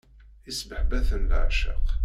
Isbehba-ten leεceq.